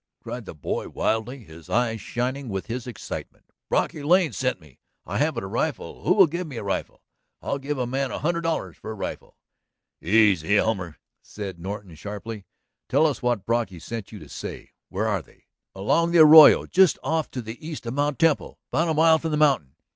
cried the boy wildly, his eyes shining with his excitement. "Brocky Lane sent me. ... I haven't a rifle, who will give me a rifle? I'll give a man a hundred dollars for a rifle!" "Easy, Elmer," said Norton sharply. "Tell us what Brocky sent you to say. Where are they?" "Along the arroyo just off to the east of Mt. Temple. About a mile from the mountain